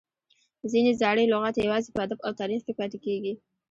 ځینې زاړي لغات یوازي په ادب او تاریخ کښي پاته کیږي.